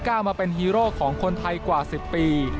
มาเป็นฮีโร่ของคนไทยกว่า๑๐ปี